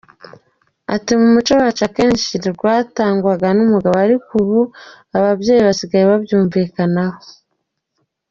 Ati “Mu muco wacu akenshi ryatangwaga n’umugabo ariko ubu ababyeyi basigaye baryumvikanaho.